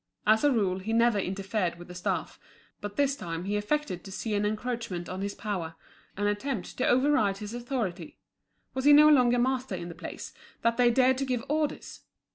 As a rule he never interfered with the staff; but this time he affected to see an encroachment on his power, an attempt to over ride his authority. Was he no longer master in the place, that they dared to give orders?